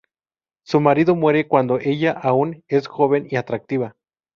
Su marido muere cuando ella aún es joven y atractiva.